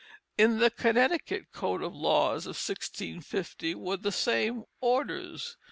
In the Connecticut Code of Laws of 1650 were the same orders.